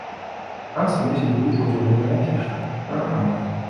У нас мусіць быць узгодненая афіша, праграма.